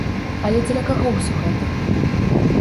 Але дзеля каго ўсё гэта?